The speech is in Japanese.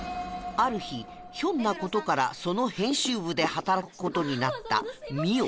ある日ひょんな事からその編集部で働く事になった澪